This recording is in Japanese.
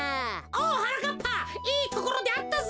おはなかっぱいいところであったぜ。